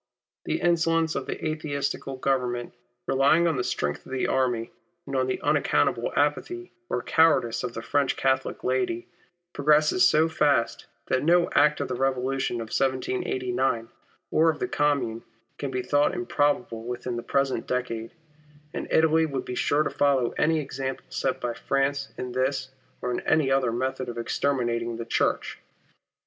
The insolence of the Atheistical Government, relying on the strength of the army and on the unaccountable apathy or cowardice of the French Catholic laity, progresses so fast, that no act of the Eevolution of '89 or of the Commune, can be thought improbable within the present decade ; and Italy would be sure to follow any example set by France in this or in any other method of exterminating the Church.